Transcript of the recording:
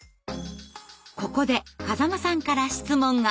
ここで風間さんから質問が。